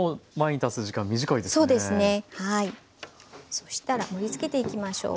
そしたら盛りつけていきましょう。